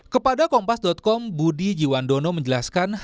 kepada kompas com budi jiwandono menjelaskan